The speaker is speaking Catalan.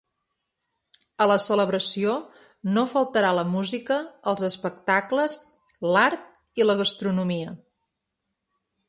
A la celebració no faltarà la música, els espectacles, l’art i la gastronomia.